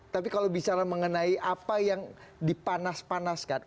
tapi kalau bicara mengenai apa yang dipanas panaskan